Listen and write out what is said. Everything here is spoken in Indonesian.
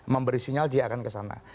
memberi sinyal dia akan ke sana